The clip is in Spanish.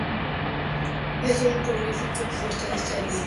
Es un prolífico portadista de libros para editoriales como Bruguera.